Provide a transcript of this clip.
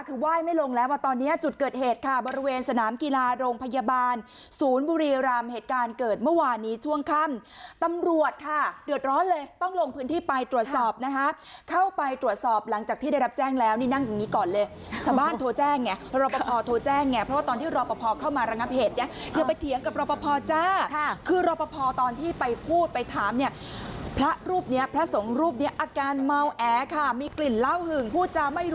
คือไหว้ไม่ลงแล้วว่าตอนเนี้ยจุดเกิดเหตุค่ะบริเวณสนามกีฬาโรงพยาบาลศูนย์บุรีรำเหตุการณ์เกิดเมื่อวานนี้ช่วงค่ำตำรวจค่ะเดือดร้อนเลยต้องลงพื้นที่ไปตรวจสอบนะคะเข้าไปตรวจสอบหลังจากที่ได้รับแจ้งแล้วนี่นั่งอย่างงี้ก่อนเลยชาวบ้านโทรแจ้งไงรอปภโทรแจ้งไงเพราะว่าตอนที่รอ